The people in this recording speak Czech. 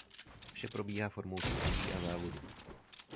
Vše probíhá formou soutěží a závodů.